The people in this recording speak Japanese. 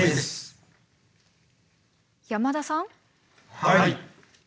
はい。